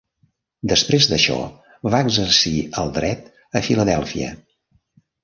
Després d'això va exercir el dret a Filadèlfia.